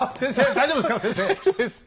大丈夫ですか？